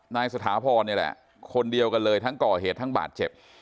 สถาพรนี่แหละคนเดียวกันเลยทั้งก่อเหตุทั้งบาดเจ็บ